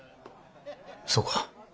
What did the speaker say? そうか。